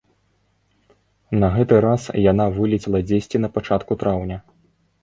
На гэты раз яна вылецела дзесьці на пачатку траўня.